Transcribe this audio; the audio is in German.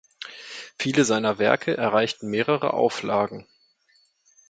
Viele seiner Werke erreichten mehrere Auflagen.